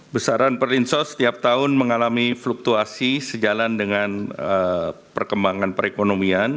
besaran perlinsos setiap tahun mengalami fluktuasi sejalan dengan perkembangan perekonomian